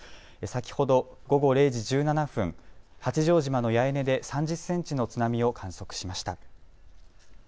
先ほど午後０時１７分、八丈島の八重根で３０センチの津波を観測しました。